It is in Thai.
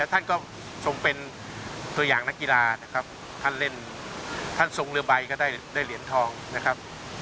และท่านก็ทรงเป็นตัวอย่างนักกีฬาท่านทรงเรือไบได้เหรียญทองนะครับ